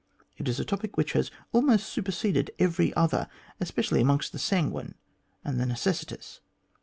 It is a topic which has almost superseded every other, especially amongst the sanguine and the necessitous."